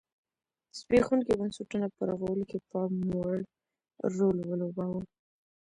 زبېښونکي بنسټونه په رغولو کې پاموړ رول ولوباوه.